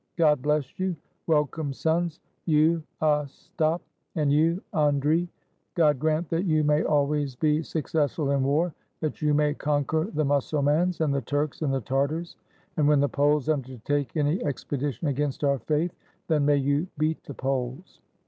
"God bless you: Welcome, sons; you Ostap, and you Andrii. God grant that you may always be successful in war, that you may conquer the Mussulmans and the Turks and the Tartars; and when the Poles undertake any expedition against our faith, then may you beat the Poles.